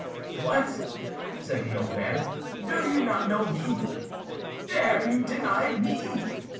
"What!" said the old man, "do you not know me? Dare you deny me?